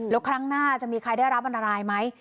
แล้วครั้งหน้าจะมีใครได้รับอันตรายไหม